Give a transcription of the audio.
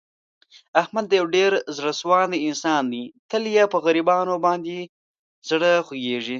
احمد یو ډېر زړه سواندی انسان دی. تل یې په غریبانو باندې زړه خوګېږي.